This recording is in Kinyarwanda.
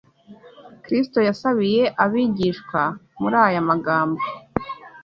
Kristo yasabiye abigishwa muri aya magambo